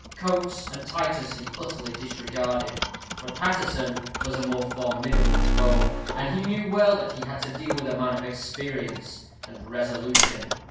Coates and Titus he utterly disregarded; but Paterson was a more formidable foe, and he well knew that he had to deal with a man of experience and resolution.